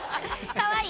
かわいい！